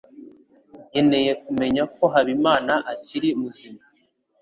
Nkeneye kumenya ko Habimana akiri muzima.